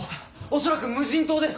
恐らく無人島です。